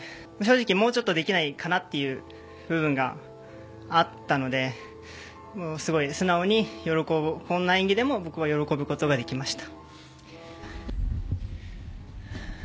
もうちょっとできないかなという部分があったので素直にこんな演技でも喜ぶことができました。